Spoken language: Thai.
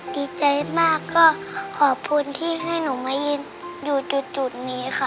ดีใจมากก็ขอบคุณที่ให้หนูมายืนอยู่จุดนี้ค่ะ